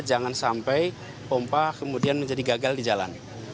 jangan sampai pompa kemudian menjadi gagal di jalan